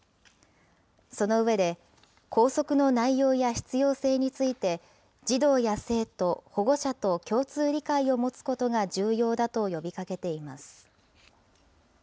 その上で、校則の内容や必要性について、児童や生徒、保護者と共通理解を持つことが重要だと呼びかけています。